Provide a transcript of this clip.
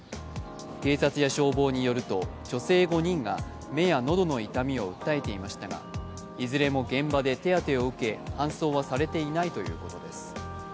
警察や消防によると女性５人が目や喉の痛みを訴えていましたがいずれも現場で手当てを受け搬送はされていないということです。